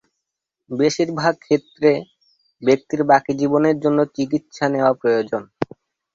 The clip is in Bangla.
বেশিরভাগ ক্ষেত্রে, ব্যক্তির বাকি জীবনের জন্য চিকিৎসা নেওয়া প্রয়োজন।